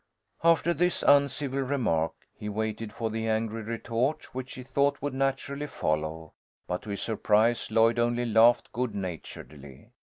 After this uncivil remark he waited for the angry retort which he thought would naturally follow, but to his surprise Lloyd only laughed good naturedly.